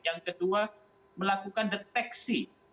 yang kedua melakukan deteksi